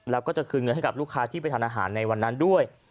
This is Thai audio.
แล้วก็จะคืนเงินให้กับลูกค้าที่ไปทานอาหารในวันนั้นด้วย